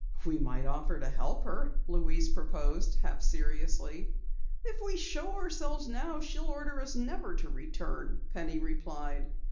"We might offer to help her," Louise proposed half seriously. "If we show ourselves now she'll order us never to return," Penny replied.